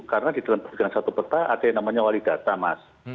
karena di dalam satu peta ada yang namanya wali data mas